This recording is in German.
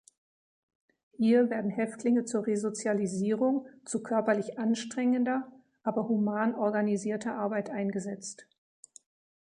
Hier werden Häftlinge zur Resozialisierung zu körperlich anstrengender, aber human organisierter Arbeit eingesetzt.